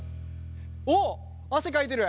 おっ汗かいてる。